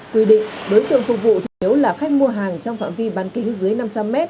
quy định đối tượng phục vụ chủ yếu là khách mua hàng trong phạm vi bán kính dưới năm trăm linh m